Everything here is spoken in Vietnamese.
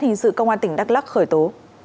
hình sự công an tỉnh đắk lắc khởi tố